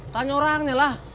tanya orangnya lah